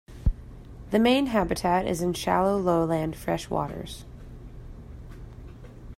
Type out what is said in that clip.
The main habitat is in shallow lowland freshwaters.